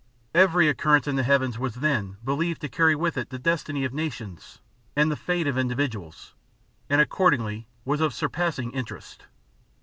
Every occurrence in the heavens was then believed to carry with it the destiny of nations and the fate of individuals, and accordingly was of surpassing interest.